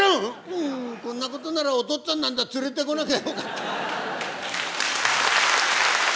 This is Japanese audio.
「うんこんなことならお父っつぁんなんざ連れてこなきゃよかった」。